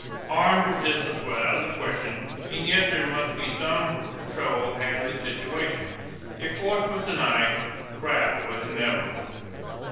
Armed resistance was out of the question. And yet there must be some control had of the situation.... If force was denied, craft was inevitable."